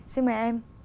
xin mời em